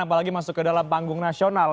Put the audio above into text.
apalagi masuk ke dalam panggung nasional